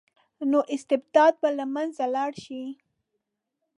نو استبداد به له منځه لاړ شي.